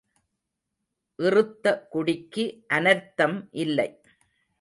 இறுத்த குடிக்கு அனர்த்தம் இல்லை.